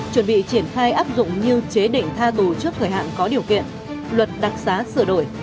chuẩn bị triển khai áp dụng như chế định tha tù trước thời hạn có điều kiện luật đặc xá sửa đổi